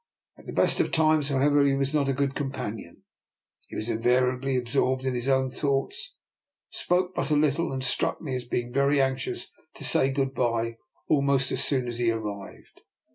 At the best of times, however, he was not a good com panion. He was invariably absorbed in his own thoughts, spoke but little, and struck me as being anxious to say good bye almost as soon as he arrived.